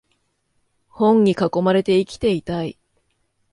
本に囲まれて生きていたい